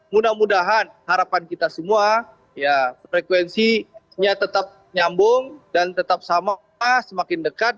mudah mudahan harapan kita semua ya frekuensinya tetap nyambung dan tetap sama semakin dekat